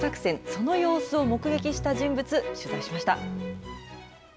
その様子を目撃した人物、取材しました。